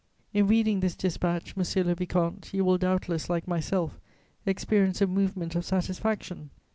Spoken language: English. "In reading this dispatch, monsieur le vicomte, you will doubtless, like myself, experience a movement of satisfaction.